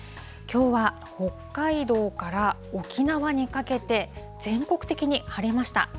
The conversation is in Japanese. きょうは北海道から沖縄にかけて、全国的に晴れました。